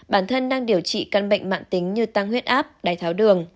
bản thân đang điều trị căn bệnh mạng tính như tăng huyết áp đáy tháo đường